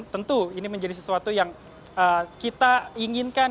tentu ini menjadi sesuatu yang kita inginkan